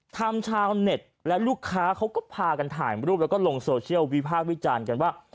ชาวเน็ตและลูกค้าเขาก็พากันถ่ายรูปแล้วก็ลงโซเชียลวิพากษ์วิจารณ์กันว่า